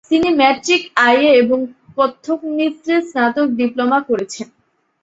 তিনি matric, IA এবং কত্থক নৃত্যে স্নাতক ডিপ্লোমা করেছেন।